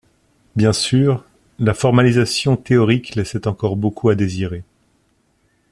Bien sûr, la formalisation théorique laissait encore beaucoup à désirer.